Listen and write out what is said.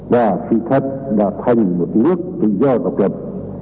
và sự thật đã thành một nước tự do và độc lập